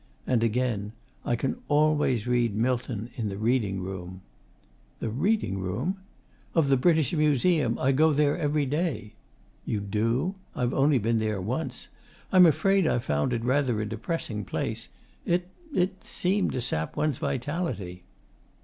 And again, 'I can always read Milton in the reading room.' 'The reading room?' 'Of the British Museum. I go there every day.' 'You do? I've only been there once. I'm afraid I found it rather a depressing place. It it seemed to sap one's vitality.